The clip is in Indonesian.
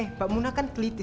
mbak muna kan teliti